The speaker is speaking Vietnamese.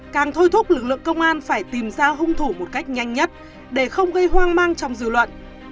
càng thôi thúc lực lượng công an phải tìm ra hung thủ một cách nhanh nhất để không gây hoang mang trong dư luận